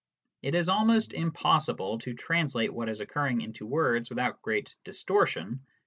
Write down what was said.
It is almost impossible to translate what is occurring into words without great distortion.